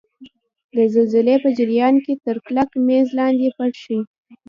د زلزلې په جریان کې تر کلک میز لاندې پټ شئ.